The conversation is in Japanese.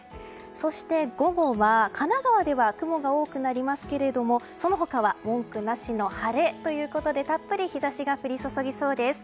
そして、午後は神奈川では雲が多くなりますけれどもその他は文句なしの晴れということでたっぷり日差しが降り注ぎそうです。